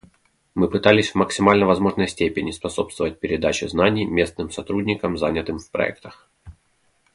Мы пытались в максимально возможной степени способствовать передаче знаний местным сотрудникам, занятым в проектах.